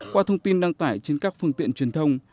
qua thông tin đăng tải trên các phương tiện truyền thông